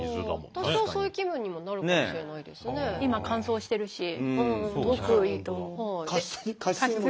多少そういう気分にもなるかもしれないですね。